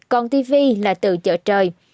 còn tv là từ chợ trời